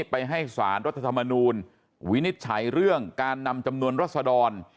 ไปให้สารรัฐธรรมนูลวินิจฉัยเรื่องการนำจำนวนรัศดร